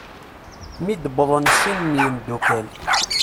Mi d-wwḍen sin n yimddukal.